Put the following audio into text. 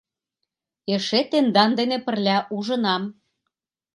— Эше тендан дене пырля ужынам.